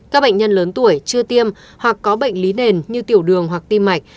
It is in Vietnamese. các bệnh nhân lớn tuổi chưa tiêm hoặc có bệnh lý nền như tiểu đường hoặc tim mạch